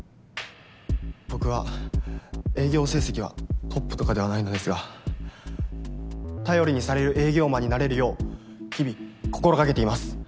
僕は営業成績はトップとかではないのですが頼りにされる営業マンになれるよう日々心掛けています。